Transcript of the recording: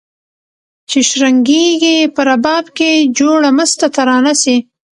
چي شرنګیږي په رباب کي جوړه مسته ترانه سي